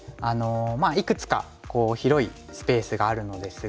まあいくつか広いスペースがあるのですが。